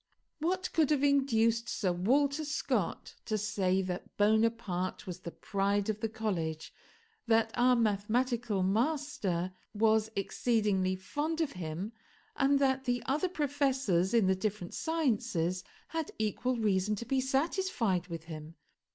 What could have induced Sir Walter Scott to say that Bonaparte was the pride of the college, that our mathematical master was exceedingly fond of him, and that the other professors in the different sciences had equal reason to be satisfied with him?